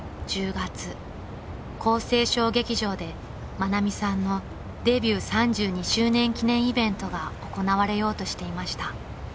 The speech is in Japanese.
［愛美さんのデビュー３２周年記念イベントが行われようとしていました］